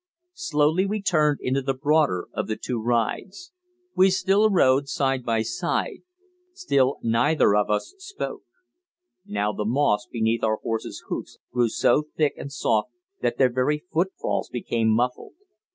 Slowly we turned into the broader of the two rides. We still rode side by side. Still neither of us spoke. Now the moss beneath our horses' hoofs grew so thick and soft that their very footfalls became muffled.